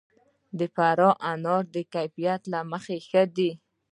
د فراه انار د کیفیت له مخې ښه دي.